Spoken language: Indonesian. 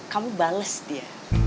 kamu bales dia